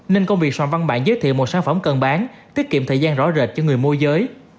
nên công việc soạn văn bản giới thiệu một sản phẩm cần bán tiết kiệm thời gian rõ rệt cho người môi giới